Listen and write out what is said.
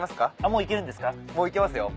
もう行けますよ